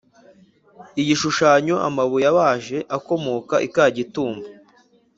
Igishushanyo Amabuye abaje akomoka i Kagitumba